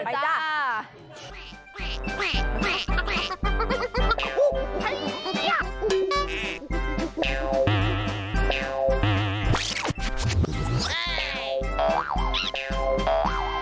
ไปจ้า